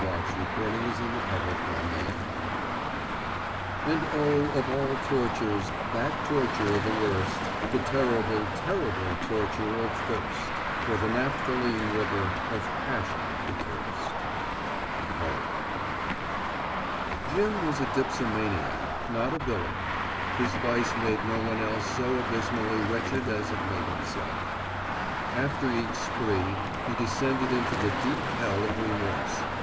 XXVII THE NAPHTHALINE RIVER And oh, of all tortures That torture the worst, The terrible, terrible torture of thirst For the naphthaline river Of Passion accurst. Poe. Jim was a dipsomaniac, not a villain. His vice made no one else so abysmally wretched as it made himself. After each spree he descended into the deep hell of remorse.